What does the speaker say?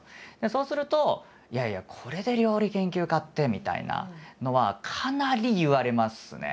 そうすると「いやいやこれで料理研究家って」みたいなのはかなり言われますね。